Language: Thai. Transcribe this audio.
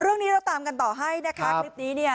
เรื่องนี้เราตามกันต่อให้นะคะคลิปนี้เนี่ย